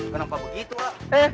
kenapa begitu pak